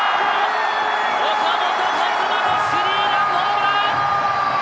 岡本和真のスリーランホームラン！